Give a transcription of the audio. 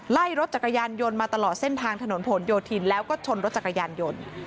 ไล่รถจักรยานยนต์มาตลอดเส้นทางถนนผลโยธินแล้วก็ชนรถจักรยานยนต์